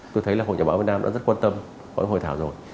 tôi thấy là hội nhà báo việt nam đã rất quan tâm có hội thảo rồi